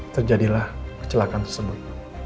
terjadilah kecelakaan tersebut